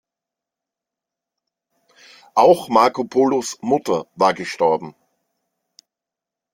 Auch Marco Polos Mutter war gestorben.